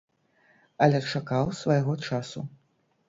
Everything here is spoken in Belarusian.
Але чакаў свайго часу.